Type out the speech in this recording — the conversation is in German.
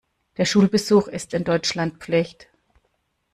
Der Schulbesuch ist in Deutschland Pflicht.